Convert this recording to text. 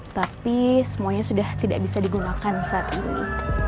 tapi semuanya sudah tidak bisa digunakan saat ini